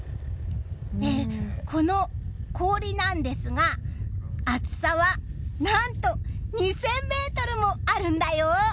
この氷なんですが厚さは何と２０００ｍもあるんだよ。